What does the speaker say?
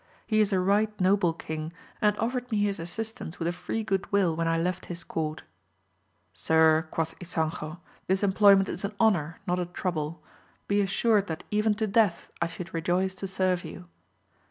He is a right noble King, and offered me his assistance with a free good will when I left his court. Sir, quoth Ysanjo, this em ployment is an honour, not a trouble ; be assured that even to death I should rejoice to serve you.